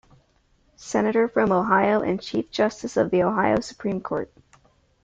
Senator from Ohio and Chief Justice of the Ohio Supreme Court.